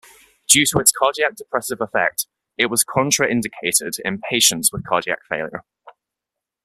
Due to its cardiac depressive effect, it was contraindicated in patients with cardiac failure.